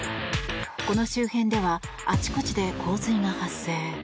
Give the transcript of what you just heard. この周辺ではあちこちで洪水が発生。